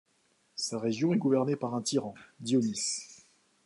Sa région est gouvernée par un tyran, Dionys.